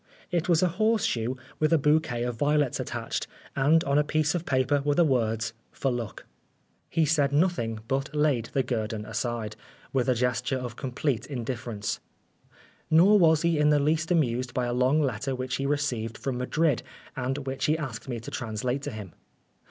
It was a horseshoe with a bouquet of violets attached, and on a piece of paper were the words " For Luck. 1 ' He said nothing, but laid the guerdon aside, with a gesture of complete indifference. Nor was he in the least amused by a long letter which he re ceived from Madrid, and which he asked me to translate to him.